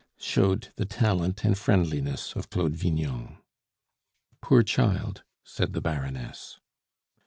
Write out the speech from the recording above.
showed the talent and friendliness of Claude Vignon. "Poor child!" said the Baroness.